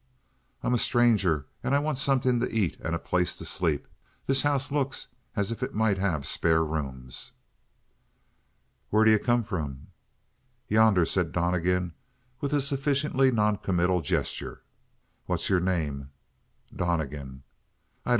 "I'm a stranger, and I want something to eat and a place to sleep. This house looks as if it might have spare rooms." "Where d'you come from?" "Yonder," said Donnegan, with a sufficiently noncommittal gesture. "What's your name?" "Donnegan."